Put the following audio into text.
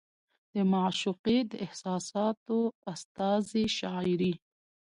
د معشوقې د احساساتو استازې شاعري